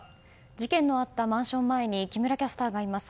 事件のあったマンション前に木村キャスターがいます。